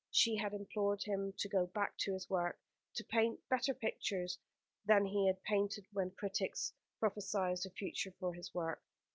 She had implored him to go back to his work, to paint better pictures than he had painted when critics prophesied a future from his work.